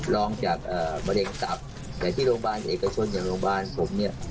ลองจากมะเร็งตับแต่ที่โรงพยาบาลเอกชนอย่างโรงพยาบาลผมเนี่ย